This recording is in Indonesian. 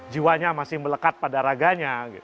jiwanya masih melekat pada raganya